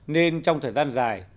nên trong thời gian dài